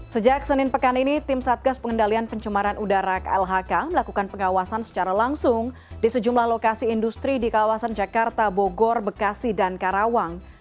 sejak senin pekan ini tim satgas pengendalian pencemaran udara klhk melakukan pengawasan secara langsung di sejumlah lokasi industri di kawasan jakarta bogor bekasi dan karawang